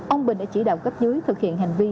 ông bình đã chỉ đạo cấp dưới thực hiện hành vi